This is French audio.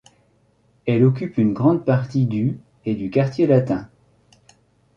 Elle occupe une grande partie du et du Quartier latin.